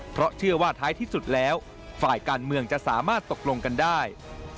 เพราะเชื่อว่าท้ายที่สุดแล้วฝ่ายการเมืองจะสามารถตกลงกันได้